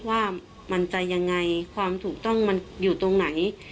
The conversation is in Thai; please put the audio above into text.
ว่ามันจะยังไงความถูกต้องมันอยู่ตรงไหน